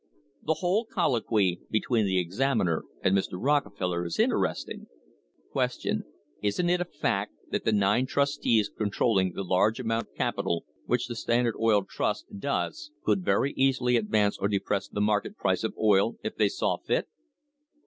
The whole colloquy between the examiner and Mr. Rockefeller is interesting: Q. Isn't it a fact that the nine trustees controlling the large amount of capital which the Standard Oil Trust does could very easily advance or depress the market price of oil if they saw fit